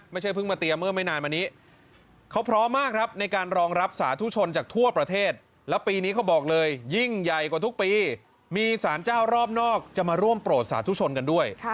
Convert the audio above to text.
เพิ่งมาเตรียมเมื่อไม่นานมานี้เขาพร้อมมากครับในการรองรับสาธุชนจากทั่วประเทศแล้วปีนี้เขาบอกเลยยิ่งใหญ่กว่าทุกปีมีสารเจ้ารอบนอกจะมาร่วมโปรดสาธุชนกันด้วย